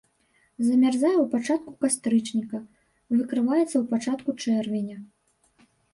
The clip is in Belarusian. Замярзае ў пачатку кастрычніка, выкрываецца ў пачатку чэрвеня.